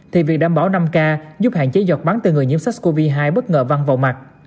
thì việc đảm bảo năm k giúp hạn chế giọt bắn từ người nhiễm sars cov hai bất ngờ văng vào mặt